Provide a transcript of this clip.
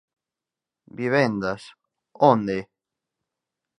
Vivendas, ¿onde?